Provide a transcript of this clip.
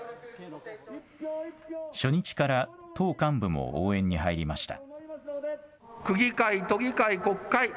初日から党幹部も応援に入りました。